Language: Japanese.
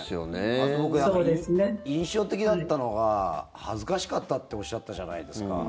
あと、僕印象的だったのが恥ずかしかったっておっしゃったじゃないですか。